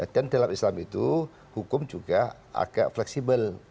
dan dalam islam itu hukum juga agak fleksibel